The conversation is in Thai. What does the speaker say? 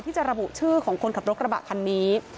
ที่จะระบุชื่อของคนขับรถกระบะคันนี้